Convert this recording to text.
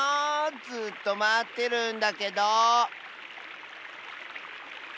ずっとまってるんだけど。